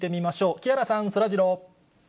木原さん、そらジロー。